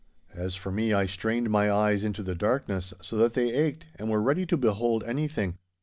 As for me, I strained my eyes into the darkness so that they ached and were ready to behold anything.